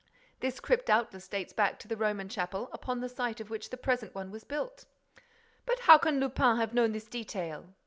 This crypt doubtless dates back to the Roman chapel, upon the site of which the present one was built." "But how can Lupin have known this detail?"